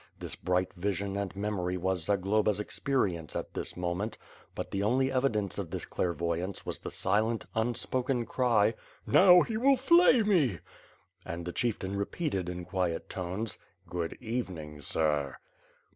This bright vision and memory was Zagloba's experience at this moment; but the only evidence of this clairvoyance was the silent, un spoken cry: "Now he will flay me!" And the Chieftain repeated in quiet tones: "Good evening, sir."